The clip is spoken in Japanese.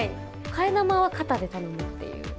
替え玉はカタで頼むっていう。